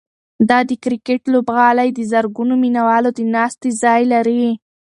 دا د کرکټ لوبغالی د زرګونو مینه والو د ناستې ځای لري.